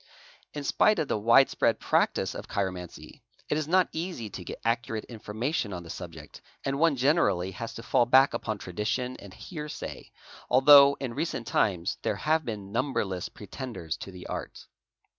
In spite of the wide spread practice of chiromancy it is not easy to get accurate informa tion on the subject and one generally has to fall back upon tradition and ~ hearsay, although in recent times there have been numberless pretenders to the art.